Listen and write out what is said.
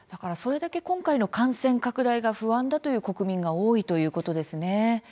それだけ今回の感染拡大が不安だという国民が多いということですね。